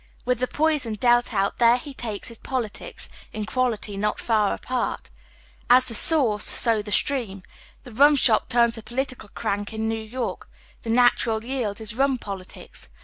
With the poison dealt out there he takes his politics, in quality not far apart. As the source, so the stream. The rumshop turns the political crank iii New York, The natural yield is rum politics.